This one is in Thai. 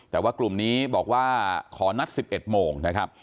แต่ว่ากลุ่มนี้บอกว่าขอนัด๑๑โมงนะครับ